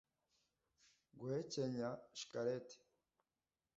guhekenya chicrette